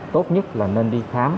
tốt nhất là nên đi khám